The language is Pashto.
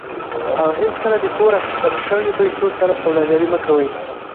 او هیڅکله د پور اخیستل شوي پیسو سره سوداګري مه کوئ.